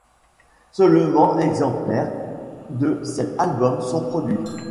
Seulement exemplaires de cet album sont produits.